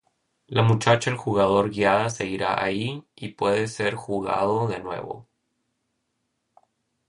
La muchacha el jugador guiada seguirá ahí, y puede ser jugado de nuevo.